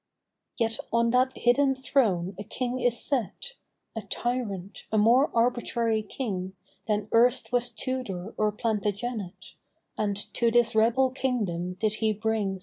Yet on that hidden throne a King is set, A tyrant, a more arbitrary king Than erst was Tudor or Plantagenet, And to this rebel kingdom did he bring * 1870. My King.